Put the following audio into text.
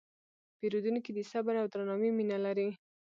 پیرودونکی د صبر او درناوي مینه لري.